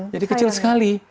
jadi kecil sekali